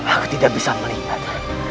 aku tidak bisa melihat